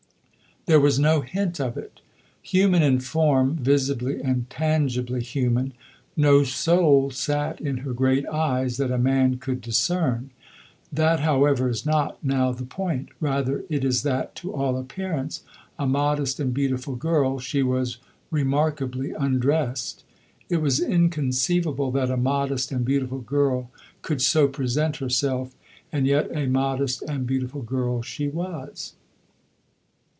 There was no hint of it. Human in form, visibly and tangibly human, no soul sat in her great eyes that a man could discern. That, however, is not now the point. Rather it is that, to all appearance a modest and beautiful girl, she was remarkably undressed. It was inconceivable that a modest and beautiful girl could so present herself, and yet a modest and beautiful girl she was.